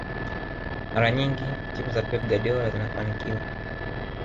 mara nyingi timu za pep guardiola zinafanikiwa